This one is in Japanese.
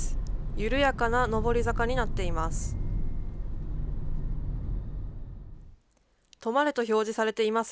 緩やかな上り坂になっています。